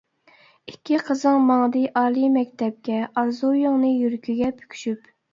ئىككى قىزىڭ ماڭدى ئالىي مەكتەپكە، ئارزۇيۇڭنى يۈرىكىگە پۈكۈشۈپ.